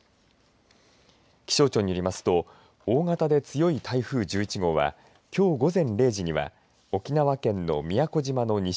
気象庁によりますと大型で強い台風１１号はきょう午前０時には沖縄県の宮古島の西